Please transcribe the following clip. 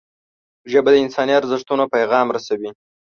ژبه د انساني ارزښتونو پیغام رسوي